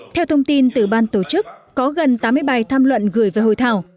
theo thông tin từ ban tổ chức có gần tám mươi bài tham luận gửi về hội thảo